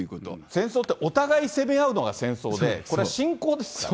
戦争って、お互い攻め合うのが戦争で、これは侵攻ですから。